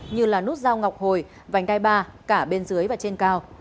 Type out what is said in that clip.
như là nút giao ngọc hồi vành đai ba cả bên dưới và trên cao